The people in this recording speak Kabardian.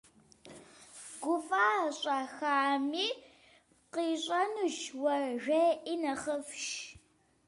Гува щӏэхами къищӏэнущ, уэ жеӏи нэхъыфӏщ.